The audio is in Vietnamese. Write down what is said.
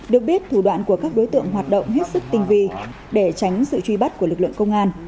được biết thủ đoạn của các đối tượng hoạt động hết sức tinh vi để tránh sự truy bắt của lực lượng công an